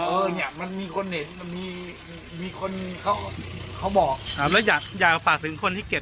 เออเนี่ยมันมีคนเห็นมันมีมีคนเขาเขาบอกอ่าแล้วอยากอยากฝากถึงคนที่เก็บ